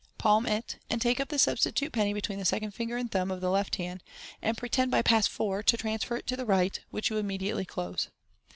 Palm it, and take up the substitute penny between the second finger and thumb of the left hand, and pretend by Pass 4 to transfer it to the right, which you immediately close.